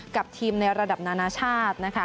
กับทีมในระดับนานาชาตินะคะ